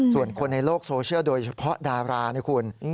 ส่วนคนในโลกโซเชียลโดยเฉพาะดารานะคุณ